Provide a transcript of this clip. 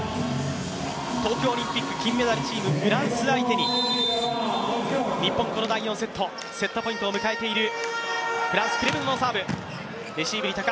東京オリンピック金メダルチームフランス相手に日本、この第４セットセットポイントを迎えている。